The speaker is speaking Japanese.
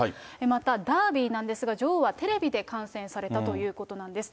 また、ダービーなんですが、女王はテレビで観戦されたということなんです。